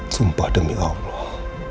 sumpah demi allah